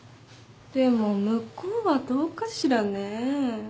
でも向こうはどうかしらね。